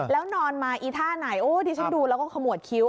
แล้วนอนมาอีท่าไหนโอ้ที่ฉันดูแล้วก็ขมวดคิ้ว